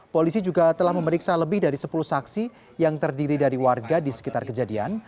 polisi juga telah memeriksa lebih dari sepuluh saksi yang terdiri dari warga di sekitar kejadian